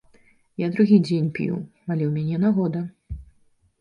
Я другі дзень п'ю, але ў мяне нагода.